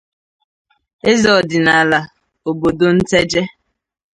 eze ọdịnala obodo Nteje